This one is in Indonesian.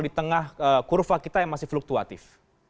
di tengah kurva kita yang masih fluktuatif